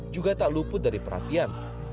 juga tak luput dari perhatian